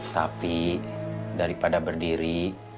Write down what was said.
tapi daripada berdiri